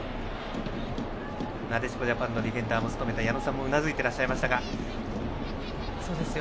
なでしこジャパンのディフェンダーも務めた矢野さんもうなずいていらっしゃいます。